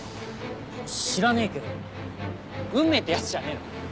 知らねえけど運命ってやつじゃねえの。